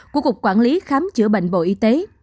của cục quản lý khám chữa bệnh bộ y tế